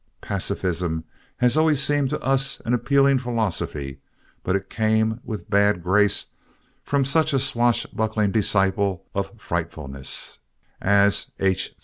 Pacifism has always seemed to us an appealing philosophy, but it came with bad grace from such a swashbuckling disciple of frightfulness as H.